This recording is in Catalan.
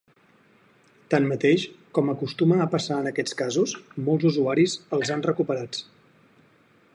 Tanmateix, com acostuma a passar en aquests casos, molts usuaris els han recuperats.